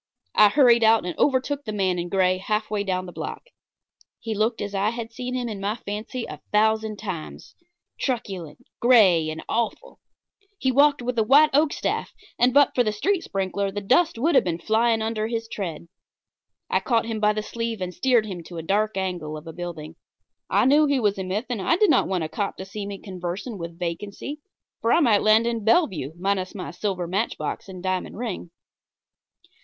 I hurried out and overtook the man in gray half way down the block. He looked as I had seen him in my fancy a thousand times truculent, gray and awful. He walked with the white oak staff, and but for the street sprinkler the dust would have been flying under his tread. I caught him by the sleeve and steered him to a dark angle of a building. I knew he was a myth, and I did not want a cop to see me conversing with vacancy, for I might land in Bellevue minus my silver matchbox and diamond ring.